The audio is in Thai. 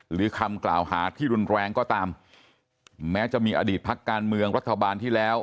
หรือคำกล่าวหาที่รุนแรงก็ตามแม้จะมีอดีตพักการเมืองรัฐบาลที่แล้ว